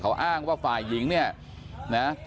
แม่ขี้หมาเนี่ยเธอดีเนี่ยเธอดีเนี่ย